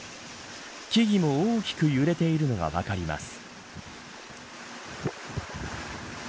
木々も大きく揺れているのが分かります。